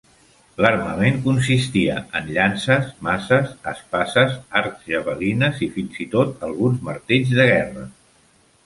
L'armament consistia en llances, maces, espases, arcs, javelines i fins i tot alguns martells de guerra.